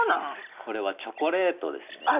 これはチョコレートですね。